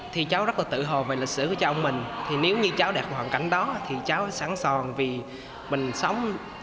thì cháu rất là tự hồ về lịch sử của cháu ông mình thì nếu như cháu đẹp hoàn cảnh đó thì cháu sẽ sáng sòn